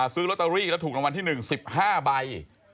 ซื้อลอตเตอรี่แล้วถูกรางวัลที่๑๑๕ใบ